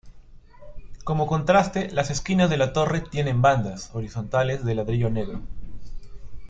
Como contraste las esquinas de la torre tienen bandas horizontales de ladrillo negro.